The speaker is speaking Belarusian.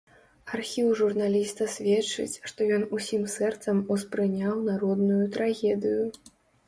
Архіў журналіста сведчыць, што ён усім сэрцам успрыняў народную трагедыю.